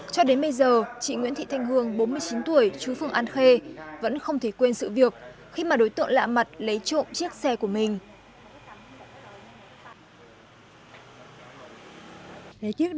cho đến bây giờ chị nguyễn thị thanh hương bốn mươi chín tuổi chú phường an khê vẫn không thể quên sự việc khi mà đối tượng lạ mặt lấy trộm chiếc xe của mình